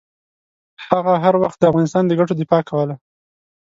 هغه هر وخت د افغانستان د ګټو دفاع کوله.